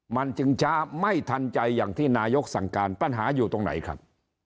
มันจึงช้าไม่ทันใจอย่างที่นายกสั่งการปัญหาอยู่ตรงไหนครับ